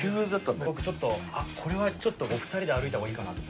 僕ちょっとあっこれはお二人で歩いた方がいいかなと。